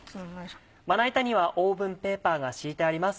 まな板にはオーブンペーパーが敷いてあります。